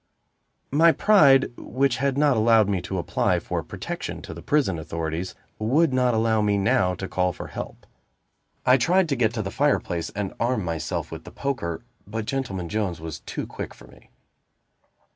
My pride, which had not allowed me to apply for protection to the prison authorities, would not allow me now to call for help. I tried to get to the fireplace and arm myself with the poker, but Gentleman Jones was too quick for me.